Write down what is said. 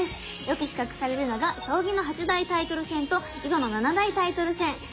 よく比較されるのが将棋の八大タイトル戦と囲碁の７大タイトル戦。